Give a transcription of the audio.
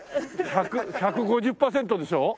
１５０パーセントでしょ？